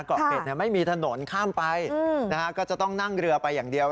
เกาะเป็ดไม่มีถนนข้ามไปนะฮะก็จะต้องนั่งเรือไปอย่างเดียว